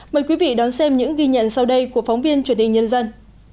mời quý vị đón xem những ghi nhận sau đây của phóng viên truyền hình nhân dân